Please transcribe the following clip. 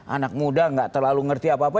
anak muda nggak terlalu ngerti apa apa